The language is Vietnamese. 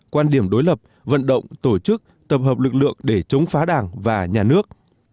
quan điểm đối lập vận động tổ chức tập hợp lực lượng để chống phá đảng và nhà nước